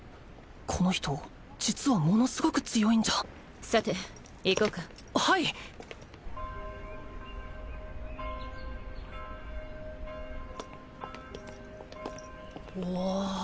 この人実はものすごく強いんじゃさて行こうかはいうわあ